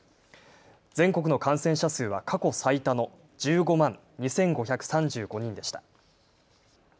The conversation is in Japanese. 全国の感染者数は過去最多の１５万２５３５人でした。